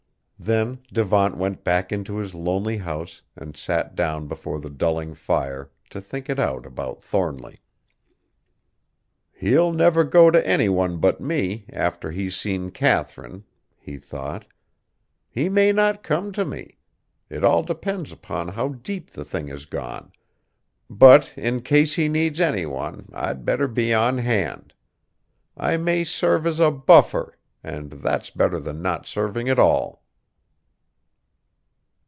Then Devant went back into his lonely house and sat down before the dulling fire to think it out about Thornly. "He'll never go to any one but me, after he's seen Katharine," he thought. "He may not come to me. It all depends upon how deep the thing has gone, but, in case he needs any one, I'd better be on hand. I may serve as a buffer, and that's better than not serving at all."